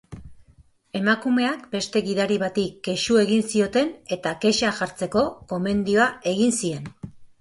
Emakumeak beste gidari bati kexu egin zioten eta kexa jartzeko gomendioa egin zien.